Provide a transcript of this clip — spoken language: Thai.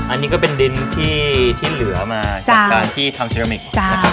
อันนี้ก็เป็นดินที่เหลือมาจากการที่ทำเซรามิกนะครับ